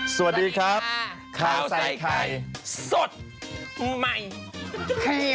สวัสดีครับข้าวใส่ไข่สดใหม่ให้